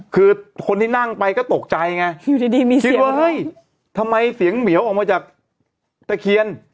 คือคนที่นั่งไปก็ตกใจไงคิดว่าทำไมเสียงเมียวออกมาจากตะเคียน